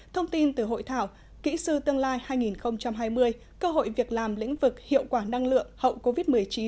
thông tin từ hội thảo kỹ sư tương lai hai nghìn hai mươi cơ hội việc làm lĩnh vực hiệu quả năng lượng hậu covid một mươi chín